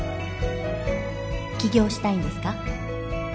起業したいんですか？